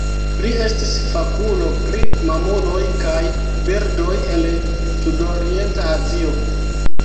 Li estis fakulo pri mamuloj kaj birdoj el Sudorienta Azio.